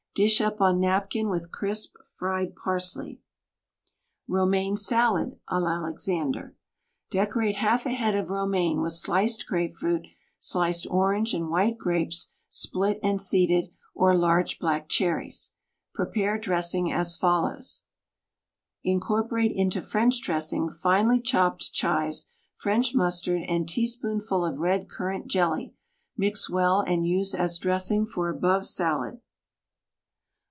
Dish up on napkin with crisp fried parsley. ROMAINE SALAD A L'ALEXANDER Decorate half a head of Romaine with sliced grape fruit, sliced orange and white grapes split and seeded, or large black cherries. Prepare dressing as follows: Incorporate into French dressing finely chopped chives, French mustard and tea spoonful of red currant jelly; mix well and use as dress ing for above salad.